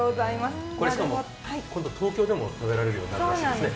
しかも今度、東京でも食べられるようになるそうですね。